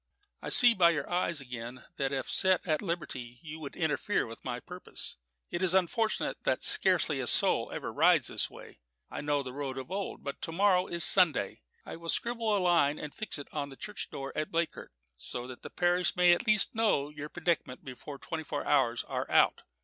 I see by your eyes again that if set at liberty you would interfere with my purpose. It is unfortunate that scarcely a soul ever rides this way I know the road of old. But to morrow is Sunday: I will scribble a line and fix it on the church door at Bleakirk, so that the parish may at least know your predicament before twenty four hours are out.